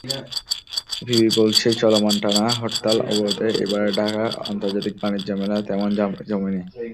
EPB বলছে, চলমান টানা হরতাল-অবরোধে এবারের ঢাকা আন্তর্জাতিক বাণিজ্য মেলা তেমন জমেনি।